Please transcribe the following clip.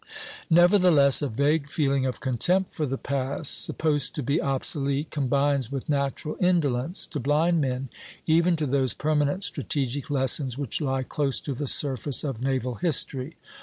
Nevertheless, a vague feeling of contempt for the past, supposed to be obsolete, combines with natural indolence to blind men even to those permanent strategic lessons which lie close to the surface of naval history.